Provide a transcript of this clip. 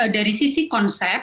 dari sisi konsep